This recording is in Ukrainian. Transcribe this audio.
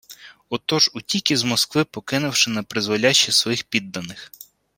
Отож утік із Москви, покинувши напризволяще своїх підданих